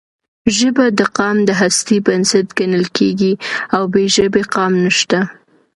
ژبه د قام د هستۍ بنسټ ګڼل کېږي او بې ژبې قام نشته.